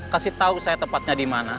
kasih tau saya tempatnya dimana